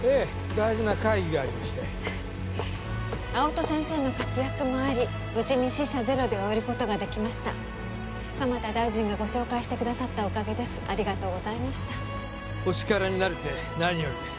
大事な会議がありまして青戸先生の活躍もあり無事に死者ゼロで終えることができました蒲田大臣がご紹介してくださったおかげですありがとうございましたお力になれて何よりです